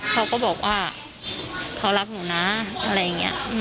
เขาก็บอกว่าเขารักหนูนะอะไรอย่างนี้